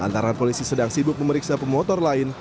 antara polisi sedang sibuk memeriksa pemotor lain